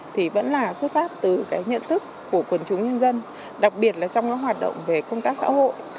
thì vẫn là xuất phát từ cái nhận thức của quần chúng nhân dân đặc biệt là trong các hoạt động về công tác xã hội